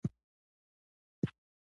کله چې ما دا کتاب وليده